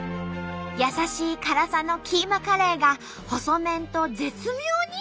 優しい辛さのキーマカレーが細麺と絶妙にマッチ。